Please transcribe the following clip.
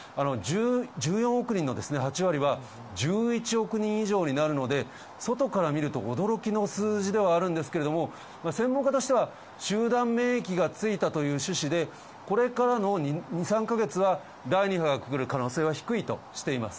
１４億人の８割は１１億人以上になるので、外から見ると驚きの数字ではあるんですけれども、専門家としては、集団免疫がついたという趣旨で、これからの２、３か月は第２波が来る可能性は低いとしています。